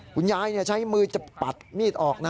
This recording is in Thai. คุณยายใช้มือจะปัดมีดออกนะ